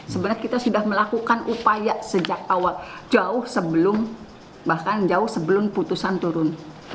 sebenarnya kita sudah melakukan upaya sejak awal jauh sebelum bahkan jauh sebelum putusan turun